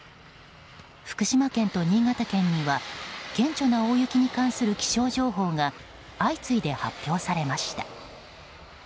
福島県と新潟県には顕著な大雪に関する気象情報が相次いで発表されました。